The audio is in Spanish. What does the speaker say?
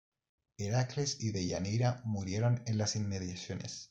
Heracles y Deyanira murieron en las inmediaciones.